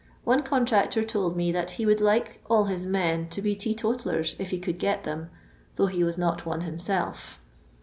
One contractor told me that he would like all his men to be tee totallers, if he could get them, though he was not one himself.